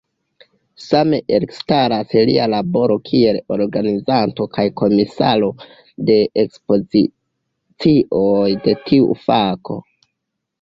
Same, elstaras lia laboro kiel organizanto kaj komisaro de ekspozicioj de tiu fako.